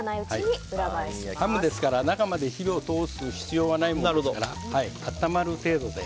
ハムですから、中まで火を通す必要がないものですから温まる程度で。